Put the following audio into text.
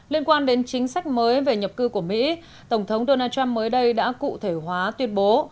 liên quan đến chính sách mới về nhập cư của mỹ tổng thống donald trump mới đây đã cụ thể hóa tuyên bố